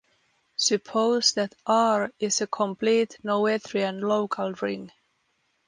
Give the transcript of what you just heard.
Suppose that "R" is a complete Noetherian local ring.